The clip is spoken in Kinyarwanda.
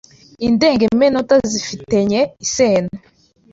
Indengemenote zifi tenye iseno